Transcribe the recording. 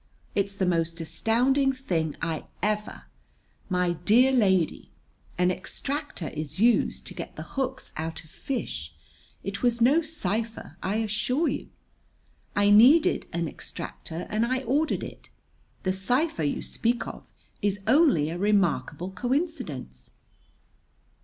It's the most astounding thing I ever My dear lady, an extractor is used to get the hooks out of fish. It was no cipher, I assure you. I needed an extractor and I ordered it. The cipher you speak of is only a remarkable coincidence."